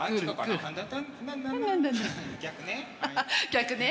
逆ね。